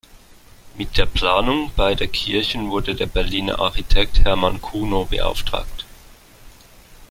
Mit der Planung beider Kirchen wurde der Berliner Architekt Hermann Cuno beauftragt.